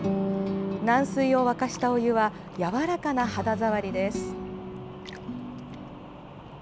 軟水を沸かしたお湯はやわらかな肌触りです。